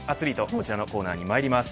こちらのコーナーにまいります。